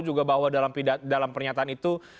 juga bahwa dalam pernyataan itu